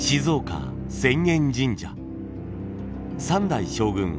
３代将軍